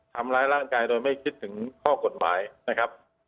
ทำร้ายร่างกายโดยไม่คิดถึงข้อกฎหมายนะครับ